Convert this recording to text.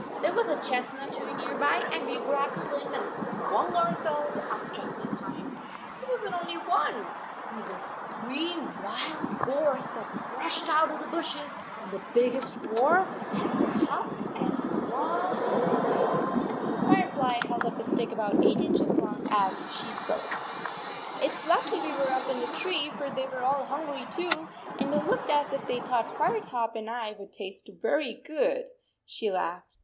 There was a chestnut tree nearby, and we grabbed a limb and swung ourselves up just in time. It was n t only one, it was three wild boars that rushed out of the bushes, and the biggest boar had tusks as long as this." 17 Fire fly held up a stiqk about eight inches long, as she spoke. 41 It s lucky we were up in the tree, for they were all hungry too, and they looked as if they thought Firetop and I would taste very good," she laughed.